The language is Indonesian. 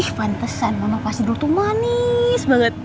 ih pantesan mama pasti dulu tuh manis banget